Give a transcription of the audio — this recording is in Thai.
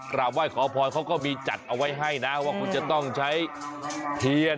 กราบไหว้ขอพรเขาก็มีจัดเอาไว้ให้นะว่าคุณจะต้องใช้เทียน